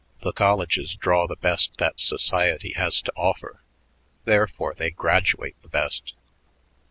The colleges draw the best that society has to offer; therefore, they graduate the best."